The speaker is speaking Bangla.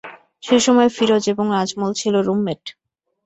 সেই সময় ফিরোজ এবং আজমল ছিল রুমমেট।